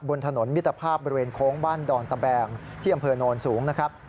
บนถนนมิตรภาพบริเวณโค้งบ้านดอนตะแบงที่อำเภอโนนสูงนะครับ